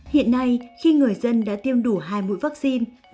hiện nay khi người dân đã tiêm đủ hai mũi vaccine